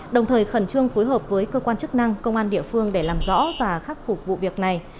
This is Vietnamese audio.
đồng thời khẩn trương phối hợp với cơ quan chức năng công an địa phương để làm rõ và khắc phục vụ việc này